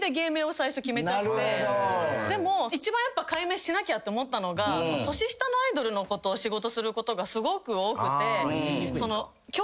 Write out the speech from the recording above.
でも一番やっぱ改名しなきゃって思ったのが年下のアイドルの子と仕事することがすごく多くて。